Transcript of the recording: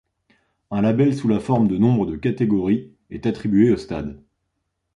Un label sous la forme de nombre de catégories est attribué aux stades.